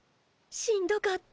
しんどかった。